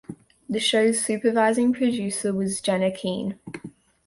The show's supervising producer was Jenna Keane.